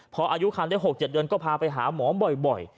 พออายุคันได้๖๗เดือนก็พาไปหาหมอบ่อย